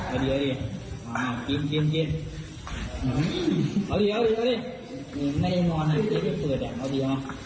อ่ากินเอาดิน่ายนนอนเอาดิ